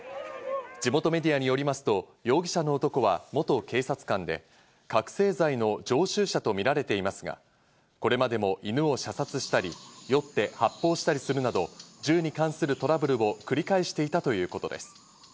地元メディアによりますと容疑者の男は元警察官で、覚醒剤の常習者とみられていますが、これまでも犬を射殺したり、酔って発砲したりするなど銃に関するトラブルを繰り返していたということです。